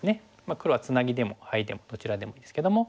黒はツナギでもハイでもどちらでもいいんですけども。